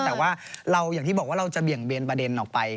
แต่ว่าเราอย่างที่บอกว่าเราจะเบี่ยงเบนประเด็นออกไป